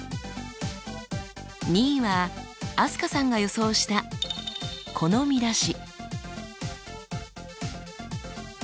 ２位は飛鳥さんが予想したこの見出し。